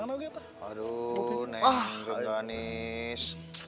aduh neng gengganis